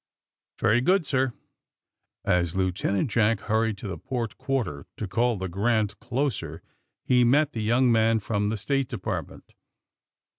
'" ''Very good, sir." As Lieutenant Jack hurried to the port quar ter to call the "Grant" closer, he met the young man from the State Department.